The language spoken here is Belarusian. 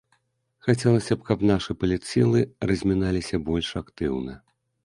Хацелася б, каб нашы палітсілы разміналіся больш актыўна.